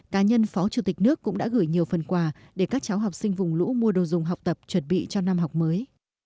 cá nhân phó chủ tịch nước cũng đã gửi nhiều phần quà để các cháu học sinh vùng lũ mua đồ dùng học tập chuẩn bị cho năm học mới